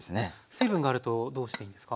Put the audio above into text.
水分があるとどうしていいんですか？